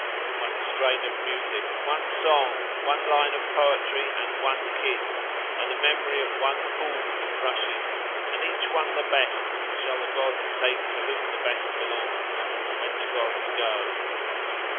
One strain of music, one song, one line of poetry and one kiss, and a memory of one pool with rushes, and each one the best, shall the gods take to whom the best belongs, when the gods go.